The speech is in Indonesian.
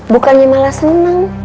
bukannya malah seneng